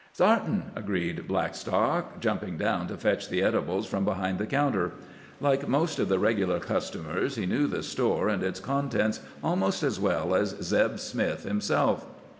"Sartain," agreed Blackstock, jumping down to fetch the edibles from behind the counter. Like most of the regular customers, he knew the store and its contents almost as well as Zeb Smith himself.